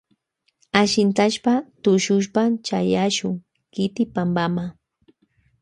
Ashintashpa tushushpa chayashun kiti pampama.